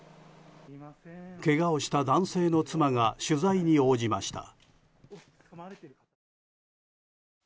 けがをした男性の妻が取材に応じました。